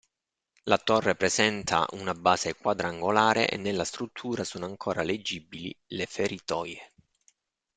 La torre presenta una base quadrangolare e nella struttura sono ancora leggibili le feritoie..